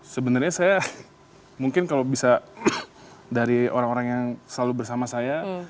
sebenarnya saya mungkin kalau bisa dari orang orang yang selalu bersama saya